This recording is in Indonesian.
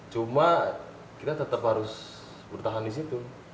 cuma kita tetap harus bertahan di situ